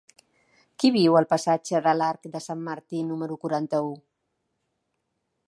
Qui viu al passatge de l'Arc de Sant Martí número quaranta-u?